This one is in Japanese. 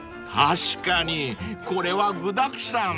［確かにこれは具だくさん］